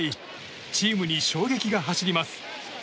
チームに衝撃が走ります。